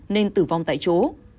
nên tử vong tại chỗ